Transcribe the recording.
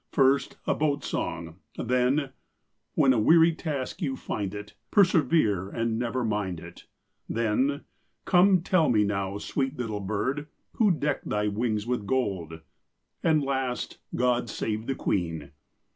First, a boat song; then :—"' When a weary task you find it, Persevere and never mind it,' Then :—"* Come tell me now, sweet little bird, Who decked thy wings with gold ?' and last: — "'God save the Queen.'